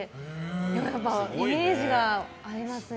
でも、イメージが合いますね。